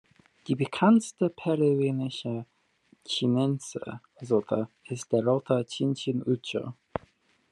Die bekannteste peruanische "chinense"-Sorte ist der rote "chinchin-ucho".